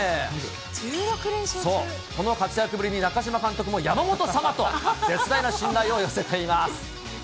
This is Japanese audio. この活躍ぶりに中嶋監督も山本様と、絶大な信頼を寄せています。